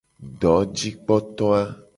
Dojikpoto a.